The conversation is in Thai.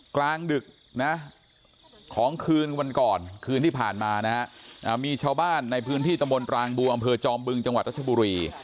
กลางดึกนะของคืนวันก่อนคืนที่ผ่านมานะฮะมีชาวบ้านในพื้นที่ตำบลปรางบัวอำเภอจอมบึงจังหวัดรัชบุรี